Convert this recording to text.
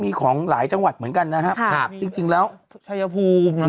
มีของหลายจังหวัดเหมือนกันน่ะฮะค่ะจริงจริงแล้วพูพู